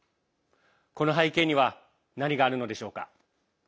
この背景には何があるのでしょうか。